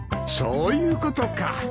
そういうことか。